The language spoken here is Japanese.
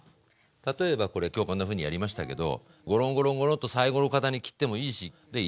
例えばこれ今日こんなふうにやりましたけどゴロンゴロンゴロンとサイコロ形に切ってもいいしで炒めるとか。